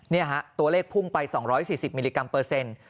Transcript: ตัวเลขพุ่งไป๒๔๐มิลลิกรัมเปอร์เซ็นต์